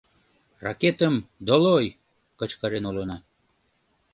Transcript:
Ракетым — долой!» — кычкырен улына.